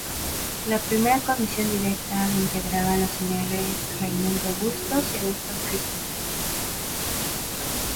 La primera Comisión Directiva la integraban los señores Raimundo Bustos y Augusto Christensen.